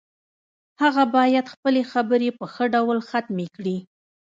هغه باید خپلې خبرې په ښه ډول ختمې کړي